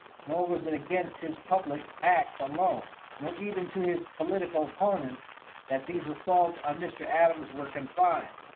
Nor was it against his public acts alone, nor even to his political opponents, that these assaults on Mr. Adams were confined.